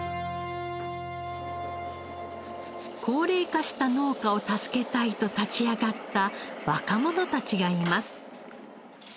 高齢化した農家を助けたいと立ち上がった若者たちがいます。